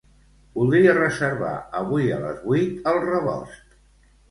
Voldria reservar avui a les vuit al Rebost.